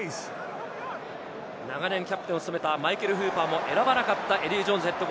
長年キャプテンを務めたマイケル・フーパーも選ばなかったエディー・ジョーンズＨＣ。